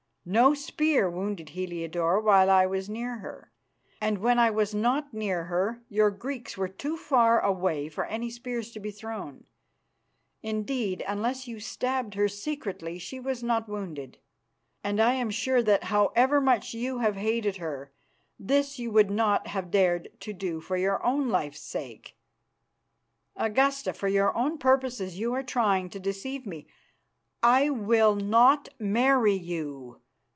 No spear wounded Heliodore while I was near her, and when I was not near her your Greeks were too far away for any spears to be thrown. Indeed, unless you stabbed her secretly, she was not wounded, and I am sure that, however much you have hated her, this you would not have dared to do for your own life's sake. Augusta, for your own purposes you are trying to deceive me. I will not marry you.